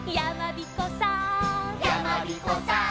「やまびこさん」